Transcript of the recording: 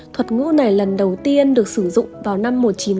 thuật ngũ này lần đầu tiên được sử dụng là tắm rừng